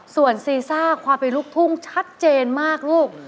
ส่วนซีซ่าความเป็นลูกทุ่งชัดเจนมากลูก